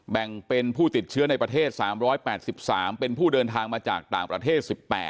แบ่งเป็นผู้ติดเชื้อในประเทศ๓๘๓เป็นผู้เดินทางมาจากต่างประเทศ๑๘